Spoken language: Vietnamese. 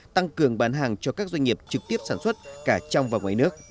tăng cường bán hàng cho các doanh nghiệp trực tiếp sản xuất cả trong và ngoài nước